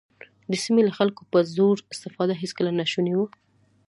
د سیمې له خلکو په زور استفاده هېڅکله ناشونې وه.